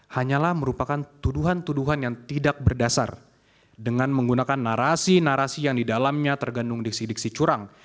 hanyalah merupakan tuduhan tuduhan yang tidak berdasar dengan menggunakan narasi narasi yang didalamnya tergantung diksi diksi curang